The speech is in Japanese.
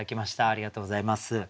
ありがとうございます。